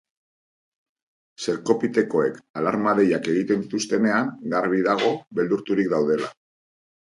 Zerkopitekoek alarma-deiak egiten dituztenean, garbi dago beldurturik daudela.